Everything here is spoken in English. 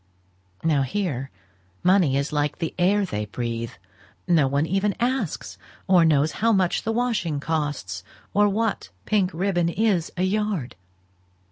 Now here, money is like the air they breathe. No one even asks or knows how much the washing costs, or what pink ribbon is a yard.